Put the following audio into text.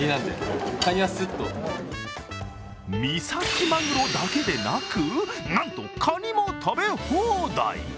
三崎まぐろだけでなく、なんとかにも食べ放題。